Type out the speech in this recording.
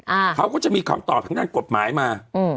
อ่าเขาก็จะมีคำตอบทางด้านกฎหมายมาอืม